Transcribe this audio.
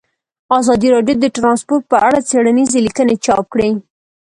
ازادي راډیو د ترانسپورټ په اړه څېړنیزې لیکنې چاپ کړي.